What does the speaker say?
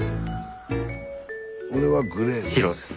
俺はグレーです。